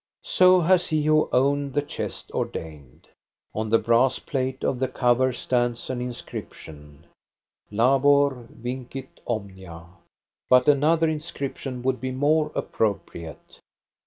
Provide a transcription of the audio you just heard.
So has he who owned the chest ordained. On the brass plate of the cover stands an inscrip tion :" Labor vincit omnia." But another inscrip tion would be more appropriate.